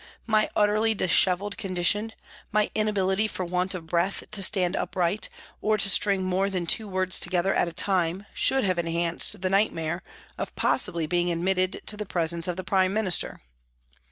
My utterly dishevelled condition, my inability for want of breath to stand upright or to string more than two words together at a time, should have enhanced the nightmare of possibly being admitted to the presence of the Prime Minister.